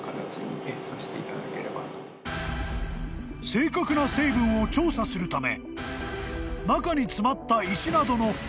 ［正確な成分を調査するため］